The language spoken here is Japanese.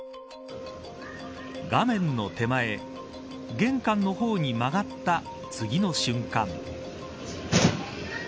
画面の手前玄関の方に曲がった次の瞬間。